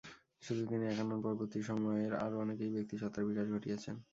শুধু তিনি একা নন, পরবর্তী সময়ের আরও অনেকেই ব্যক্তিসত্তার বিকাশ ঘটিয়েছেন।